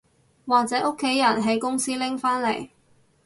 或者屋企人喺公司拎返嚟